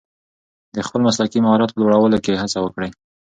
د خپل مسلکي مهارت په لوړولو کې هڅه وکړئ.